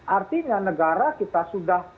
artinya negara kita sudah